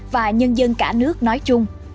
và nhân dân cả nước nói chung